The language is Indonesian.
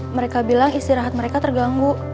mereka bilang istirahat mereka terganggu